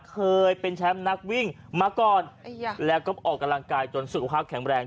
เคยเป็นแชมป์นักวิ่งมาก่อนแล้วก็ออกกำลังกายจนสุขภาพแข็งแรง